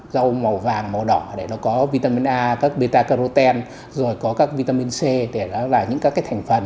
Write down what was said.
rau màu vàng màu đỏ để nó có vitamin a các beta caroten rồi có các vitamin c để đó là những các cái thành phần